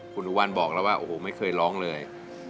คุณอุวันบอกแล้วว่าโอ้โหไม่เคยร้องเลย